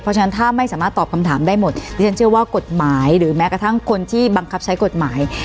เพราะฉะนั้นถ้าไม่สามารถตอบคำถามได้หมดดิฉันเชื่อว่ากฎหมายหรือแม้กระทั่งคนที่บังคับใช้กฎหมาย